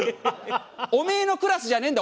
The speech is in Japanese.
おめえのクラスじゃねえんだ。